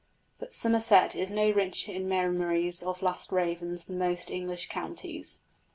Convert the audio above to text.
But Somerset is no richer in memories of "last ravens" than most English counties.